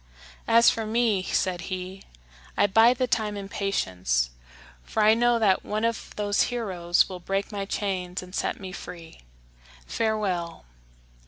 "As for me," said he, "I bide the time in patience, for I know that one of those heroes will break my chains and set me free. Farewell!"